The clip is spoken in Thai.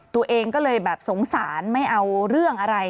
ตัวเองก็เลยแบบสงสารไม่เอาเรื่องอะไร